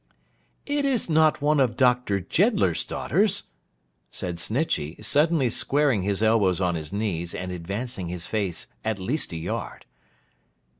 'It's not one of Dr. Jeddler's daughters?' said Snitchey, suddenly squaring his elbows on his knees, and advancing his face at least a yard.